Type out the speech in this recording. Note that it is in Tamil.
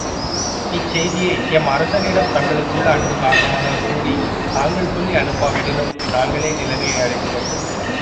இச் செய்தியை எம் அரசனிடம் தங்களுக்குள்ள அன்பு காரணமாகக் கூறித் தாங்கள் சொல்லி அனுப்பாவிடினும், நாங்களே நிலைமையை அறிந்துகொண்டோம்.